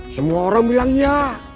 semua orang bilang ya